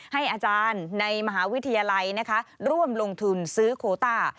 ให้อาจารย์ในมหาวิทยาลัยร่วมลงทุนซื้อโคต้า